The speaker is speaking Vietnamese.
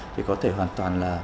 thì có thể hoàn toàn